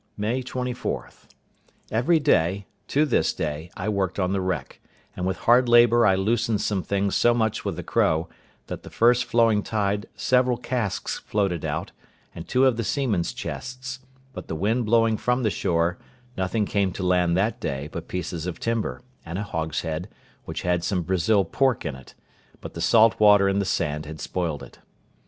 May 24.—Every day, to this day, I worked on the wreck; and with hard labour I loosened some things so much with the crow, that the first flowing tide several casks floated out, and two of the seamen's chests; but the wind blowing from the shore, nothing came to land that day but pieces of timber, and a hogshead, which had some Brazil pork in it; but the salt water and the sand had spoiled it.